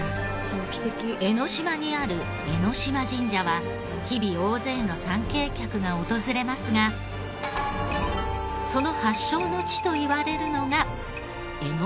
江の島にある江島神社は日々大勢の参詣客が訪れますがその発祥の地といわれるのが江の島岩屋。